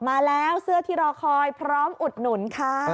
มาแล้วเสื้อที่รอคอยพร้อมอุดหนุนค่ะ